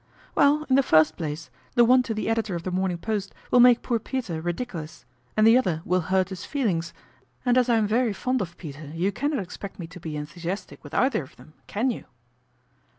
" Well, in the first place, the one to the editor of The Morning Post will make poor Peter ridicu lous, and the other will hurt his feelings, and as I am very fond of Peter you cannot expect me to be enthusiastic with either of them, can you